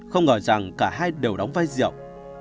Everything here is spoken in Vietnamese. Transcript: không ngờ rằng cả hai đều đóng vai diệu